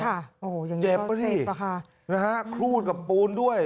โอ้โหอย่างนี้ก็เสร็จปะค่ะเจ็บปะที่นะฮะคลูนกับปูนด้วย